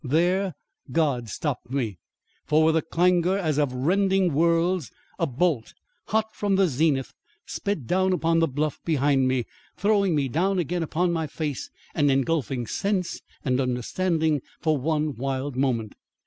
There God stopped me. For, with a clangour as of rending worlds, a bolt, hot from the zenith, sped down upon the bluff behind me, throwing me down again upon my face and engulfing sense and understanding for one wild moment.